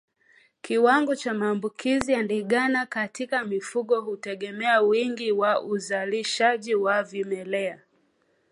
Kiwango cha maambukizi ya ndigana kali katika mifugo hutegemea wingi wa uzalishaji wa vimelea